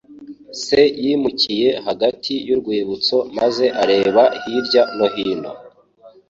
Se yimukiye hagati y'urwibutso maze areba hirya no hino.